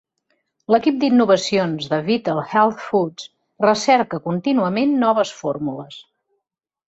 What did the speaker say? L'equip d'innovacions de Vital Health Foods recerca contínuament noves fórmules.